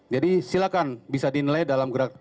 jadi silakan bisa dinilai dalam perkaran tersebut